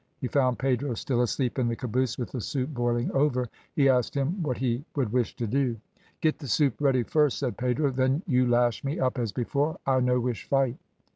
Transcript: He found Pedro still asleep in the caboose with the soup boiling over; he asked him what he would wish to do. "Get the soup ready first," said Pedro. "Then you lash me up as before, I no wish fight."